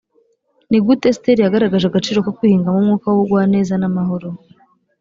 ni gute esiteri yagaragaje agaciro ko kwihingamo umwuka w’ubugwaneza n’amahoro?